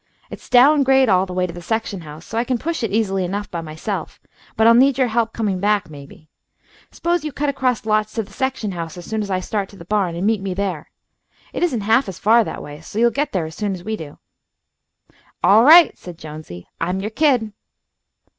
It's down grade all the way to the section house, so I can push it easily enough by myself, but I'll need your help coming back, maybe. S'pose you cut across lots to the section house as soon as I start to the barn, and meet me there. It isn't half as far that way, so you'll get there as soon as we do." "All right," said Jonesy. "I'm your kid."